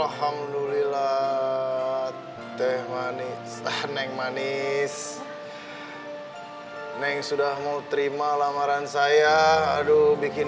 alhamdulillah teh manis aneh manis yang sudah mau terima lamaran saya aduh bikin